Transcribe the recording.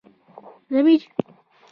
🦬 زمری